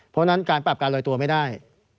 เพราะฉะนั้นการปรับการลอยตัวไม่ได้